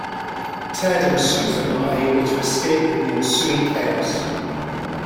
Ted and Susan are able to escape in the ensuing chaos.